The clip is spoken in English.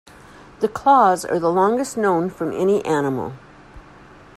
The claws are the longest known from any animal.